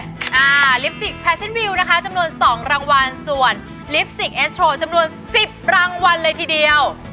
ลิปสติกแฟชั่นวิวนะคะจำนวนสองรางวัลส่วนลิปสติกเอสโชว์จำนวนสิบรางวัลเลยทีเดียว